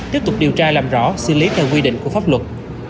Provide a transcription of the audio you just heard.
tiếp tục điều tra làm rõ xử lý theo quy định của pháp luật